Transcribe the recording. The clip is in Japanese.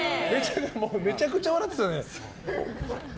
めちゃくちゃ笑ってたね。